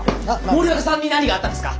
森若さんに何があったんですか？